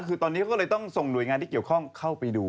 คือตอนนี้เขาก็เลยต้องส่งหน่วยงานที่เกี่ยวข้องเข้าไปดู